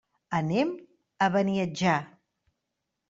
Anem a Beniatjar.